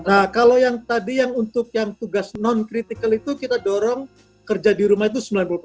nah kalau yang tadi yang untuk yang tugas non kritikal itu kita dorong kerja di rumah itu sembilan puluh empat